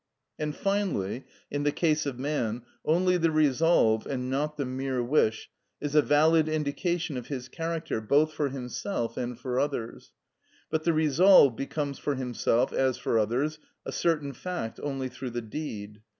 And, finally, in the case of man, only the resolve, and not the mere wish, is a valid indication of his character both for himself and for others; but the resolve becomes for himself, as for others, a certain fact only through the deed.